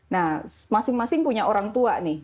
nah masing masing punya orang tua nih